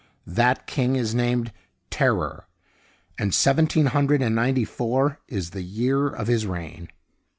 That king is named Terror, and seventeen hundred and ninety four is the year of his reign.